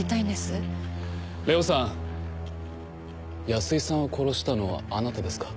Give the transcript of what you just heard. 安井さんを殺したのはあなたですか？